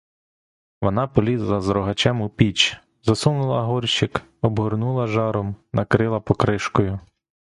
Вона полізла з рогачем у піч, засунула горщик, обгорнула жаром, накрила покришкою.